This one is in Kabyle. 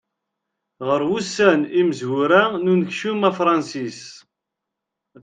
Ɣer wussan imezwura n unekcum afransis.